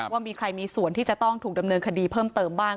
ว่ามีใครมีส่วนที่จะต้องถูกดำเนินคดีเพิ่มเติมบ้าง